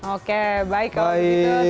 oke baik kalau begitu